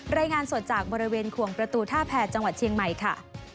รายงานสดจากบริเวณขวงประตูท่าแพรจังหวัดเชียงใหม่ค่ะ